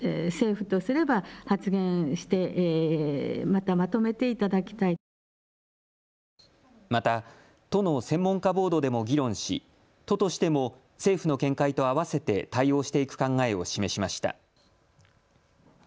また都の専門家ボードでも議論し都としても政府の見解と合わせて対応していく考えを示しました。